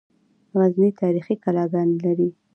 غزني تاریخي کلاګانې لري